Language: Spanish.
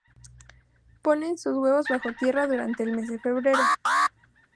Ponen sus huevos bajo tierra durante el mes de febrero.